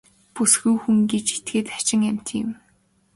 Бүсгүй хүн гэж этгээд хачин амьтан юм.